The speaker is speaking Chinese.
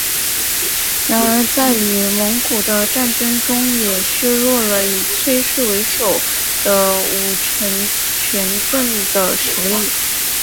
然而在与蒙古的战争中也削弱了以崔氏为首的武臣政权的实力。